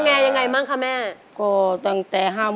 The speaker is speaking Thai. ง้องแงแม่ให้เด็กง้องแงไหม